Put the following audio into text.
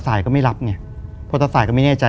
คือก่อนอื่นพี่แจ็คผมได้ตั้งชื่อเอาไว้ชื่อ